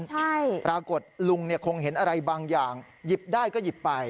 ใช่ปรากฏลุงเนี่ยคงเห็นอะไรบางอย่างหยิบได้ก็หยิบไป